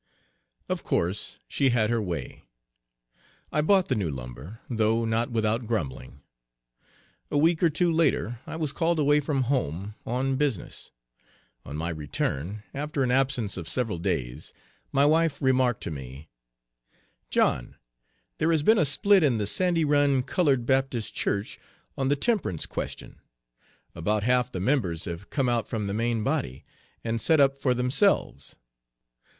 Of course she had her way. I bought the new lumber, though not without grumbling. A week or two later I was called away from home on business. On my return, after an absence of several days, my wife remarked to me, "John, there has been a split in the Sandy Run Colored Baptist Church, on the temperance question. About half the members have come out from the main body, and set up for themselves.